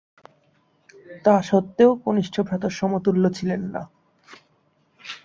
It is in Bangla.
তাসত্ত্বেও কনিষ্ঠ ভ্রাতার সমতুল্য ছিলেন না।